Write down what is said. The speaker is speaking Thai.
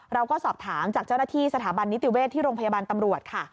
เราก็สอบถามจากเจ้าหน้าที่สถาบันนิติเวศที่โรงพยาบาลตำรวจค่ะ